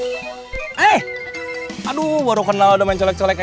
oh iya sampai aku usahak witnessed udah kalau ada cuma bang cas